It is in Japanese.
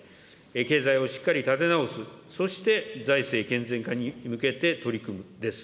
経済をしっかり立て直す、そして財政健全化に向けて取り組むです。